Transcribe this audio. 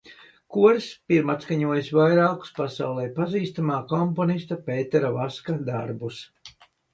Koris pirmatskaņojis vairākus pasaulē pazīstamā komponista Pētera Vaska darbus.